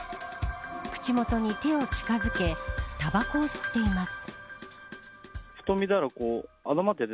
口元に手を近づけたばこを吸っています。